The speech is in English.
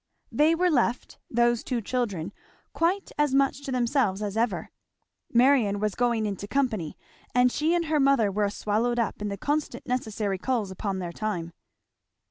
They were left, those two children, quite as much to themselves as ever. Marion was going into company, and she and her mother were swallowed up in the consequent necessary calls upon their time.